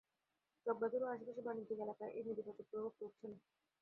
চকবাজার ও আশপাশের বাণিজ্যিক এলাকায় এর নেতিবাচক প্রভাব পড়ছে না।